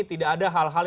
tidak ada hal hal